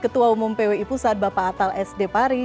ketua umum pwi pusat bapak atal sd pari